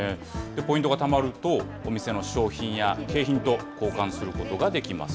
ポイントがたまると、お店の商品や景品と交換することができます。